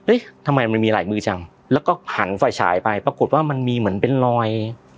ทำไมมันมีหลายมือจังแล้วก็หันฝ่ายฉายไปปรากฏว่ามันมีเหมือนเป็นรอย